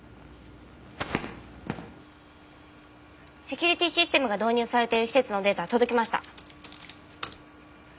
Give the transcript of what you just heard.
セキュリティーシステムが導入されている施設のデータ届きました。